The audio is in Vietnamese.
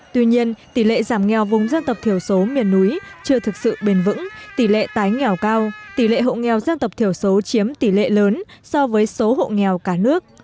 tuy nhiên tỷ lệ giảm nghèo vùng dân tộc thiểu số miền núi chưa thực sự bền vững tỷ lệ tái nghèo cao tỷ lệ hộ nghèo dân tộc thiểu số chiếm tỷ lệ lớn so với số hộ nghèo cả nước